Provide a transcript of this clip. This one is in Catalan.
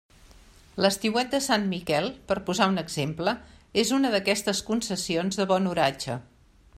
L'estiuet de Sant Miquel, per posar un exemple, és una d'aquestes concessions de bon oratge.